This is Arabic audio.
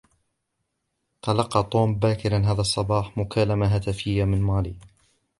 تلقى طوم باكرا هذا الصباح مكالمة هاتفية من ماري